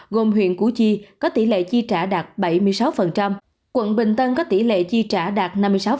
gồm huyện củ chi có tỷ lệ chi trả đạt bảy mươi sáu quận bình tân có tỷ lệ chi trả đạt năm mươi sáu